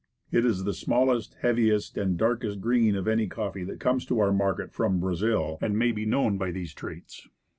It is the smallest, heaviest 96 Woodcraft, and darkest green of any coffee that comes to our market from Brazil, and may be known by these traits.